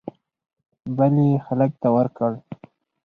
بل یې هلک ته ورکړ